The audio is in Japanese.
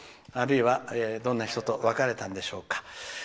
あるいはどんな人と別れたんでしょうか。